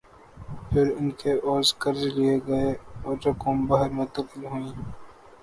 پھر ان کے عوض قرض لئے گئے اوررقوم باہر منتقل ہوئیں۔